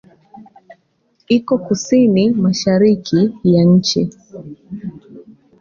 Iko kusini-mashariki ya nchi.